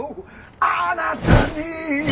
「あなたに」